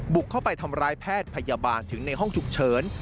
บุกเข้าไปทำร้ายแพทย์พยาบาลถึงในห้องฉุกเฉิน